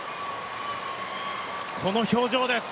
この表情です。